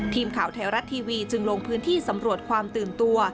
ทีมข่าวไทยรัฐทีวีจึงลงพื้นที่สำรวจความตื่นตัว